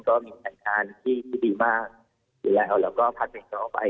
ก็มีหลักการที่ดีมากหรืออย่าเอาแล้วก็พักเตะเข้าไป